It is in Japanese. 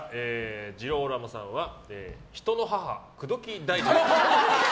ジローラモさんは人の母口説き大臣。